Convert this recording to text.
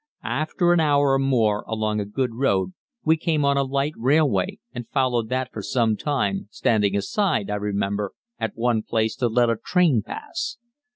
After an hour or more along a good road we came on a light railway and followed that for some time, standing aside, I remember, at one place, to let a train pass.